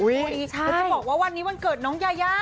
แล้วจะบอกว่าวันนี้วันเกิดน้องยายา